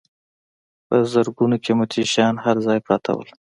په زرګونو قیمتي شیان هر ځای پراته وو.